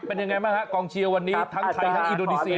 เป็นยังไงบ้างฮะกองเชียร์วันนี้ทั้งไทยทั้งอินโดนีเซีย